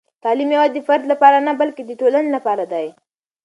تعلیم یوازې د فرد لپاره نه، بلکې د ټولنې لپاره دی.